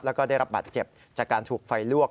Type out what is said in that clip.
แล้วก็ได้รับบาดเจ็บจากการถูกไฟลวก